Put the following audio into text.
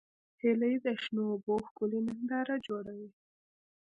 هیلۍ د شنو اوبو ښکلې ننداره جوړوي